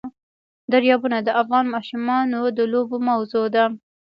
دریابونه د افغان ماشومانو د لوبو موضوع ده.